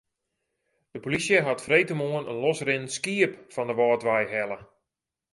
De polysje hat freedtemoarn in losrinnend skiep fan de Wâldwei helle.